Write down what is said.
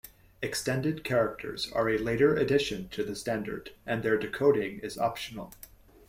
Extended characters are a later addition to the standard and their decoding is optional.